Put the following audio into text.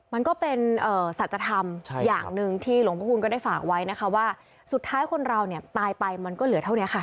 มันก็เป็นสัจธรรมอย่างหนึ่งที่หลวงพระคุณก็ได้ฝากไว้นะคะว่าสุดท้ายคนเราเนี่ยตายไปมันก็เหลือเท่านี้ค่ะ